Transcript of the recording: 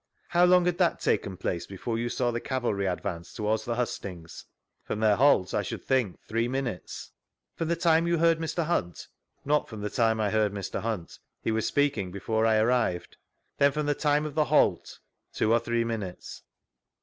How long had that taken place before you saw the cavalry advance towards the hustings ?— From thdr halt, I should think three minutes. vGoogIc THREE ACCOUNTS OF PETERLOO From the time you heard Mr. Hunt?— Not from the time I beard Mr. Hmit; he was speaking before I arrived. Then from the time of the halt ?— Two or three minutes.